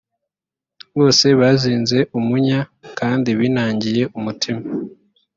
bose bazinze umunya kandi binangiye umutima